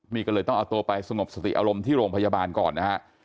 นี่ก็เลยต้องเอาตัวไปสงบสติอารมณ์ที่โรงพยาบาลก่อนนะฮะ